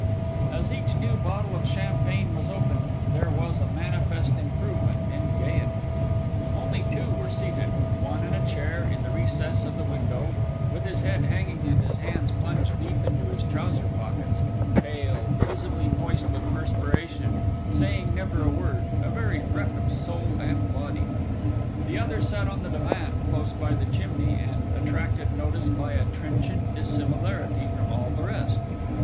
As each new bottle of champagne was opened, there was a manifest improvement in gaiety. Only two were seated—one in a chair in the recess of the window, with his head hanging and his hands plunged deep into his trouser pockets, pale, visibly moist with perspiration, saying never a word, a very wreck of soul and body; the other sat on the divan close by the chimney, and attracted notice by a trenchant dissimilarity from all the rest.